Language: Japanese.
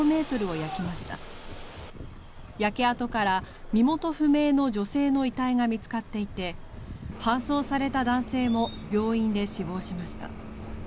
焼け跡から身元不明の女性の遺体が見つかっていて搬送された男性も病院で死亡しました。